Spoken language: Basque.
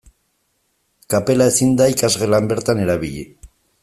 Kapela ezin da ikasgelan bertan erabili.